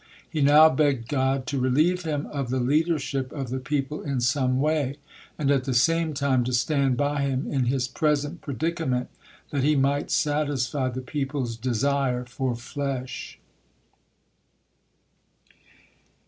He now begged God to relieve him of the leadership of the people in some way, and at the same time to stand by him in his present predicament, that he might satisfy the people's desire for flesh.